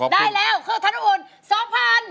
ได้แล้วคือธนอุ่น๒๐๐บาท